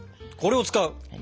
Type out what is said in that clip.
これを使う？